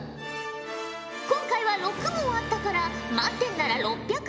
今回は６問あったから満点なら６００